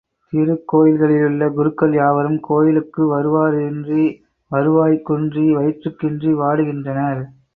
திருக் கோயில்களிலுள்ள குருக்கள் யாவரும் கோயிலுக்கு வருவாரின்றி வருவாய் குன்றி வயிற்றுக் கின்றி வாடுகின்றனர்.